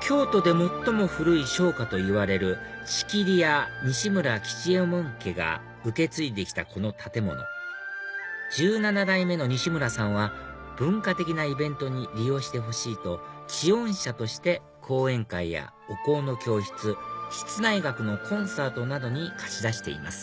京都で最も古い商家といわれる千切屋西村吉右衛門家が受け継いで来たこの建物１７代目の西村さんは文化的なイベントに利用してほしいとちおん舎として講演会やお香の教室室内楽のコンサートなどに貸し出しています